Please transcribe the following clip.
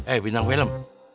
eh bintang film